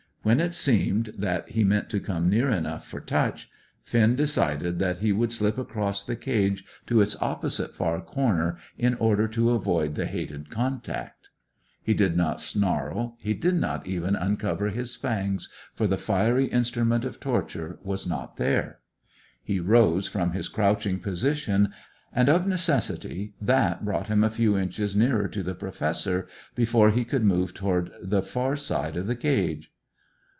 When it seemed that he meant to come near enough for touch, Finn decided that he would slip across the cage to its opposite far corner in order to avoid the hated contact. He did not snarl; he did not even uncover his fangs, for the fiery instrument of torture was not there. He rose from his crouching position, and of necessity that brought him a few inches nearer to the Professor, before he could move toward the far side of the cage.